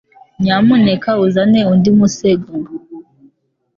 Nyamuneka uzane undi musego? .